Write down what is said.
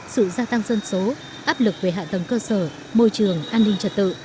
sự gia tăng dân số áp lực về hạ tầng cơ sở môi trường an ninh trật tự